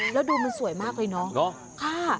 แล้วดูมันสวยมากเลยเนาะ